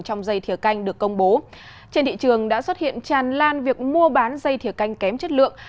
trong dây thiều canh được công bố trên thị trường đã xuất hiện tràn lan việc mua bán dây thiều canh kém chất lượng